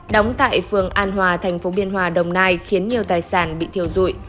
đóng tại phường an hòa thành phố biên hòa đồng nai khiến nhiều tài sản bị thiểu rụi